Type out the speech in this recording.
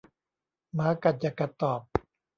หมากัดอย่ากัดตอบ